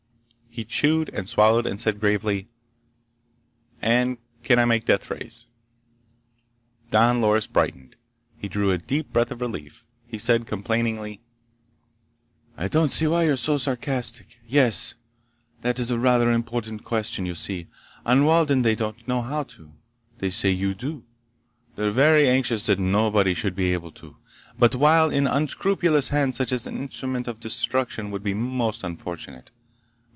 He chewed, and swallowed, and said gravely: "And can I make deathrays?" Don Loris brightened. He drew a deep breath of relief. He said complainingly: "I don't see why you're so sarcastic! Yes. That is a rather important question. You see, on Walden they don't know how to. They say you do. They're very anxious that nobody should be able to. But while in unscrupulous hands such an instrument of destruction would be most unfortunate